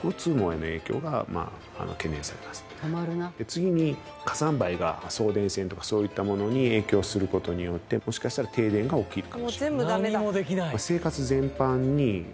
次に火山灰が送電線とかそういったものに影響する事によってもしかしたら停電が起きるかもしれない。